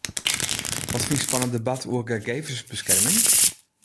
Wat fynst fan it debat oer gegevensbeskerming?